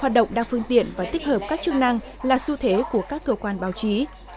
hoạt động đa phương tiện và tích hợp các chức năng là xu thế của các cơ quan báo chí